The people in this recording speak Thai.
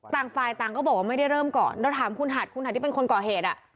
ต่างฝ่ายต่างก็บอกว่าไม่ได้เริ่มก่อนเราถามคุณหัดคุณหัดที่เป็นคนก่อเหตุอ่ะ